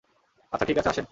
আচ্ছা, ঠিক আছে আসেন।